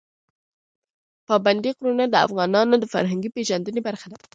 پابندی غرونه د افغانانو د فرهنګي پیژندنې برخه ده.